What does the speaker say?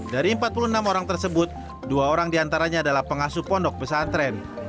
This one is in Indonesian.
dari empat puluh enam orang tersebut dua orang diantaranya adalah pengasuh pondok pesantren